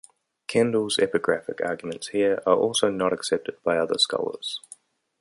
Kendall's epigraphic arguments here are also not accepted by other scholars.